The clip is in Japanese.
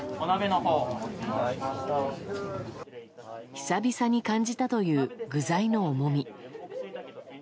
久々に感じたという具材の重み。